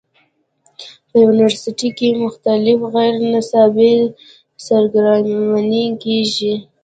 پۀ يونيورسټۍ کښې مختلف غېر نصابي سرګرميانې کيږي